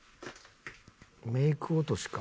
メイク落としか？